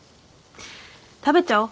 食べちゃおう。